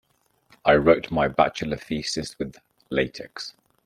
I wrote my bachelor thesis with latex.